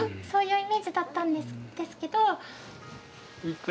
そういうイメージだったんですけど。